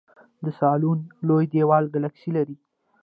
د سلوان لوی دیوال ګلکسي لري.